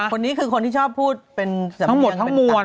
คนนี้คือคนที่ชอบพูดเป็นสำเนียงทั้งหมวน